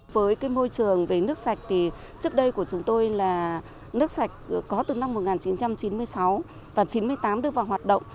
với môi trường về nước sạch trước đây của chúng tôi là nước sạch có từ năm một nghìn chín trăm chín mươi sáu và một nghìn chín trăm chín mươi tám được vào hoạt động